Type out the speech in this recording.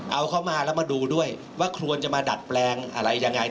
เอาเข้ามาแล้วมาดูด้วยว่าควรจะมาดัดแปลงอะไรยังไง